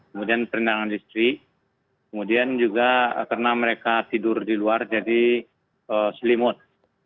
kemudian perlindungan listrik kemudian juga karena mereka tidur di luar jadi selimut